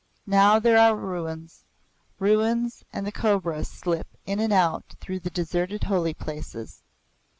Now there are ruins ruins, and the cobras slip in and out through the deserted holy places.